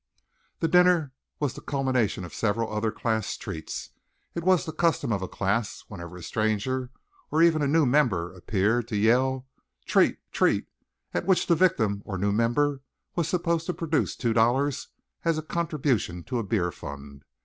The dinner was the culmination of several other class treats. It was the custom of a class, whenever a stranger, or even a new member appeared, to yell "Treat! Treat!" at which the victim or new member was supposed to produce two dollars as a contribution to a beer fund.